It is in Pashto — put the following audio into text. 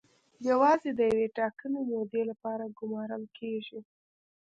یوازې د یوې ټاکلې مودې لپاره ګومارل کیږي.